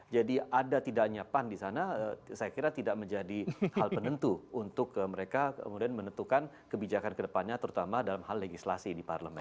jadi ada tidaknya pan di sana saya kira tidak menjadi hal penentu untuk mereka kemudian menentukan kebijakan kedepannya terutama dalam hal legislasi di parlemen